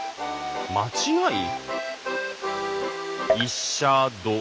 間違い？